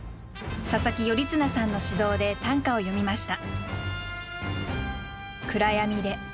佐佐木頼綱さんの指導で短歌を詠みました。